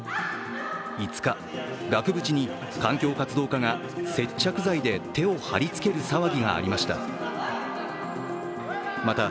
５日、額縁に環境活動家が接着剤で手を貼りつける騒ぎがありました。